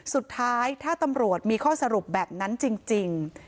สุดท้ายถ้าตำรวจมีข้อสรุปแบบนั้นจริง